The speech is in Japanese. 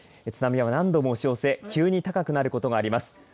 津波は何度も押し寄せ急に高くなることがあります。